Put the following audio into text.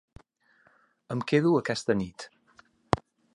Em quedo aquesta nit.